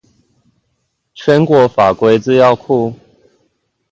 全國法規資料庫